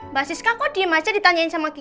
mbak siska kok dia masih ditanyain sama kiki